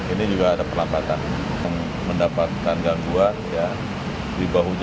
ini juga ada perlambatan mendapatkan gangguan ya